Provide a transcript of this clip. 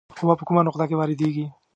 قوه په کومه نقطه کې واردیږي؟